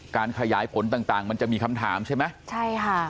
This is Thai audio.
การขยายผลต่างต่างมันจะมีคำถามใช่ไหมใช่ค่ะ